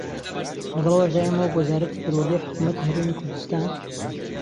لەگەڵ ئەوەشدا ئێمە وەک وەزارەتی پەروەردەی حکوومەتی هەرێمی کوردستان